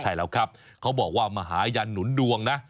ใช่แล้วครับเขาบอกว่ามหายันหนุนดวงนะ